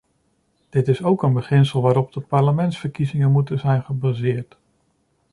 Dit is ook een beginsel waarop de parlementsverkiezingen moeten zijn gebaseerd.